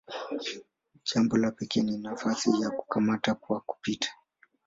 Jambo la pekee ni nafasi ya "kukamata kwa kupita".